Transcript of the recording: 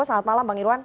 selamat malam bang irwan